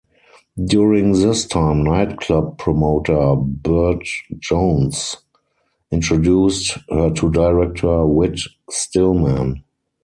During this time nightclub promoter Baird Jones introduced her to director Whit Stillman.